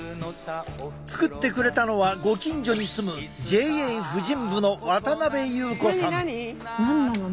作ってくれたのはご近所に住むＪＡ婦人部の渡部優子さん。